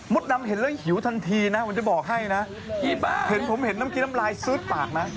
มดดำเห็นเรื่องหิวทันทีนะมันจะบอกให้นะผมเห็นน้ำกี้น้ำลายซื้อดปากนะ